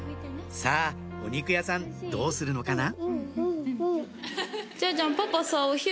さぁお肉屋さんどうするのかな？